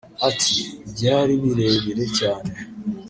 Ati“ Byari birebire cyane